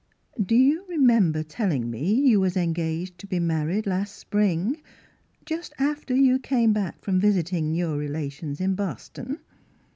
Do you remember telling me you was engaged to be married last spring, just after you come back from visitin' your relations in Boston?"